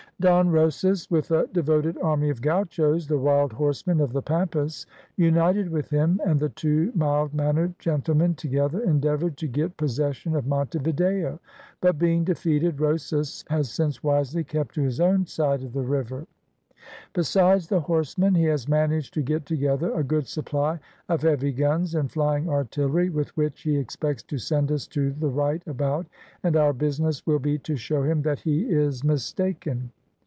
"Don Rosas, with a devoted army of gauchos, the wild horsemen of the Pampas, united with him, and the two mild mannered gentlemen together endeavoured to get possession of Monte Video, but, being defeated, Rosas has since wisely kept to his own side of the river. "Besides the horsemen, he has managed to get together a good supply of heavy guns and flying artillery, with which he expects to send us to the right about, and our business will be to show him that he is mistaken.